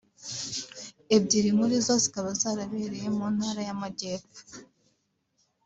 ebyiri muri zo zikaba zarabereye mu ntara y’Amajyepfo